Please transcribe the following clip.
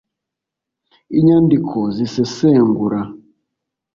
inyandiko z’isesengura